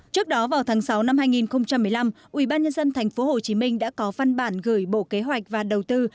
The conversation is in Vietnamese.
trước đó vào tháng sáu năm hai nghìn một mươi năm ubnd tp hcm đã có văn bản gửi bộ kế hoạch và đầu tư